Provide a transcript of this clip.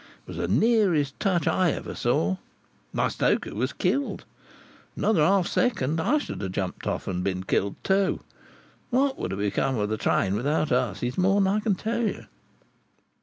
It was the nearest touch I ever saw. My stoker was killed. In another half second I should have jumped off and been killed too. What would have become of the train without us is more than I can tell you.